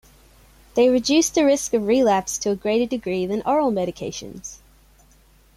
They reduce the risk of relapse to a greater degree than oral medications.